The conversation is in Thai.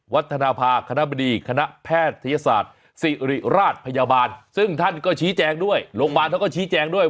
ธนภาคณะบดีคณะแพทยศาสตร์ศิริราชพยาบาลซึ่งท่านก็ชี้แจงด้วยโรงพยาบาลเขาก็ชี้แจงด้วย